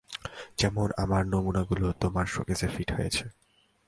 যেমন আমার নমুনাগুলো তোমার শোকেসে ফিট হয়েছে।